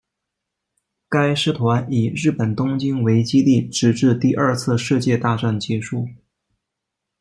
该师团以日本东京为基地直至第二次世界大战结束。